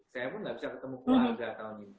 saya pun nggak bisa ketemu keluarga tahun ini